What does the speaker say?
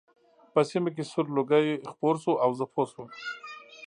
په سیمه کې سور لوګی خپور شو او زه پوه شوم